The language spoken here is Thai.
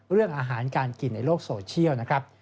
เรื่องอาหารการกินในโลกโซเชียลนะครับ